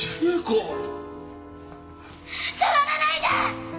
触らないで！